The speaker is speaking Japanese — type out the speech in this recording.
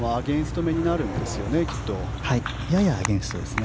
ややアゲンストですね。